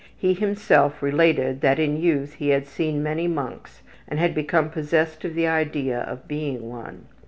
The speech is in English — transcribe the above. He himself related that in youth he had seen many monks and had become possessed of the idea of being one.